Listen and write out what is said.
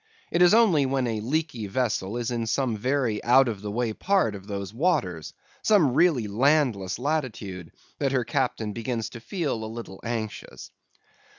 It is only when a leaky vessel is in some very out of the way part of those waters, some really landless latitude, that her captain begins to feel a little anxious.